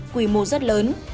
quy mô rất lớn